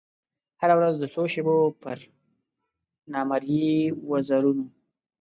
هره ورځ د څو شېبو پر نامریي وزرونو